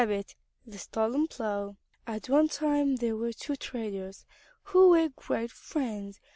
XVI THE STOLEN PLOW At one time there were two traders who were great friends.